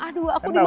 aduh aku dimarahin